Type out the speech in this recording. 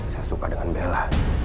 saya suka dengan bella